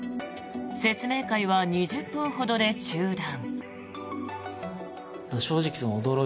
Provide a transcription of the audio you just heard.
説明会は２０分ほどで中断。